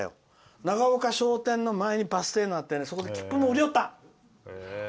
商店の前にバス停があってそこで切符も売りよった。